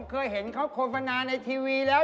ผมเคยเห็นเขาโครงฟันาในทีวีแล้ว